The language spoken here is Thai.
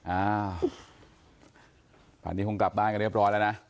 อ่าตอนนี้คงกลับบ้านกันเรียบร้อยแล้วนะ